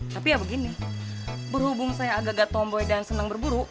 tapi ya begini berhubung saya agak agak tomboy dan senang berburu